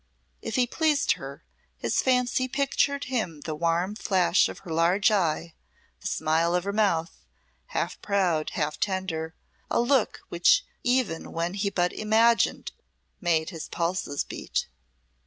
If he pleased her, his fancy pictured him the warm flash of her large eye, the smile of her mouth, half proud, half tender, a look which even when but imagined made his pulses beat.